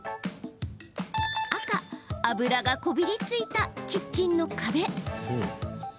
赤・油がこびりついたキッチンの壁。